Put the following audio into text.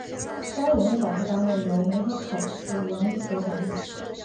该文物保护单位由梅河口市文物所管理。